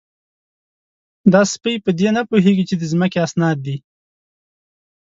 _دا سپۍ په دې نه پوهېږي چې د ځمکې اسناد دي؟